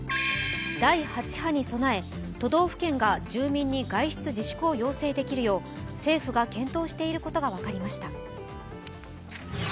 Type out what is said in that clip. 第８波に備え都道府県が住民に外出自粛を要請できるよう政府が検討していることが分かりました。